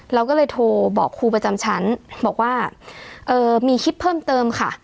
เราก็เลยโทรบอกครูประจำชั้นบอกว่าเอ่อมีคลิปเพิ่มเติมค่ะ